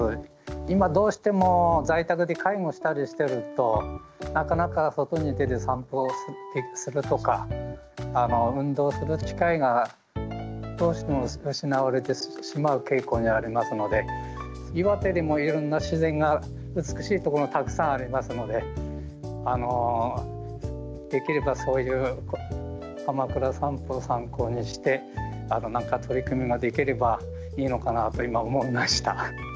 今どうしても在宅で介護したりしてるとなかなか外に出て散歩するとか運動する機会がどうしても失われてしまう傾向にありますので岩手にもいろんな自然が美しいところがたくさんありますのでできればそういうかまくら散歩を参考にして何か取り組みができればいいのかなと今思いました。